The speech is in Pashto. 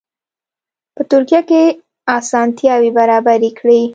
په ترکیه کې اسانتیاوې برابرې کړي.